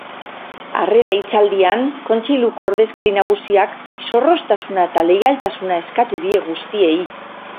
Harrera hitzaldian, kontseiluko ordezkari nagusiak zorroztasuna eta leialtasuna eskatu die guztiei.